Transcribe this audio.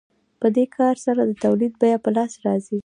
په دې کار سره د تولید بیه په لاس راځي